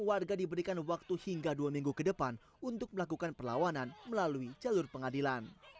warga diberikan waktu hingga dua minggu ke depan untuk melakukan perlawanan melalui jalur pengadilan